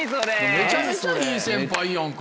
めちゃめちゃいい先輩やんか。